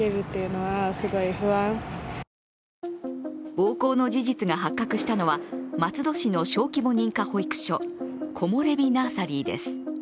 暴行の事実が発覚したのは松戸市の小規模認可保育所、コモレビ・ナーサリーです。